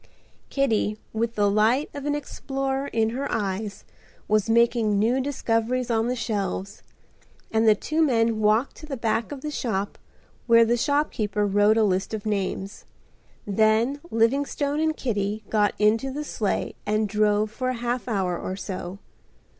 Kitty, with the light of an explorer in her eyes, was making new discoveries on the shelves, and the two men walked to the back of the shop where the shopkeeper wrote a list of names. Then Livingstone and Kitty got into the sleigh and drove for a half hour or so.